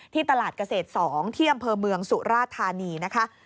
ที่ตลาดเกษตร๒เที่ยมพเมืองสุราชธานีนะคะ